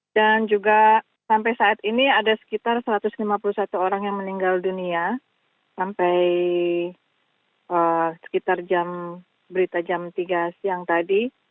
dan juga sampai saat ini ada sekitar satu ratus lima puluh satu orang yang meninggal dunia sampai sekitar berita jam tiga siang tadi